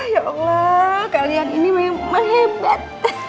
ya allah kalian ini memang hebat